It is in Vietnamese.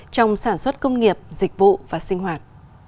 trong sản xuất công nghiệp dịch vụ và sinh hoạt